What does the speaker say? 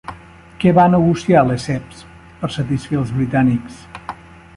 Què va negociar Lesseps per satisfer als britànics?